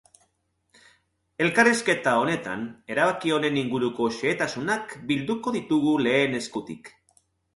Elkarrizketa horretan erabaki honen inguruko xehetasunak bilduko ditugu lehen eskutik.